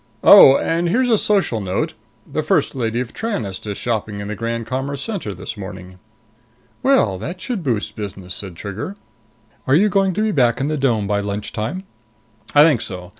Oh, and here's a social note. The First Lady of Tranest is shopping in the Grand Commerce Center this morning." "Well, that should boost business," said Trigger. "Are you going to be back in the dome by lunchtime?" "I think so.